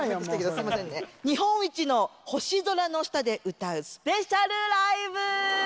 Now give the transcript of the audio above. すみませんね、日本一の星空の下で歌うスペシャルライブ。